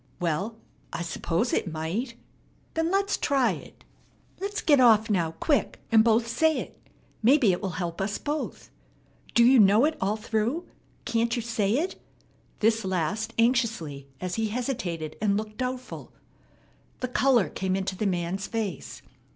"Well, I suppose it might." "Then let's try it. Let's get off now, quick, and both say it. Maybe it will help us both. Do you know it all through? Can't you say it?" This last anxiously, as he hesitated and looked doubtful. The color came into the man's face.